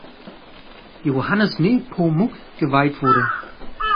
Johannes Nepomuk geweiht wurde.